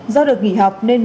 do được nghỉ học nên một nhóm